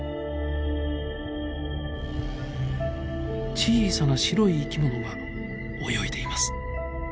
小さな白い生き物が泳いでいます。